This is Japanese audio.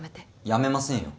やめませんよ。